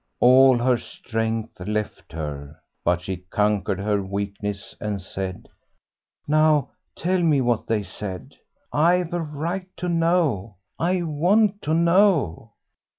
All her strength left her, but she conquered her weakness and said "Now tell me what they said. I've a right to know; I want to know."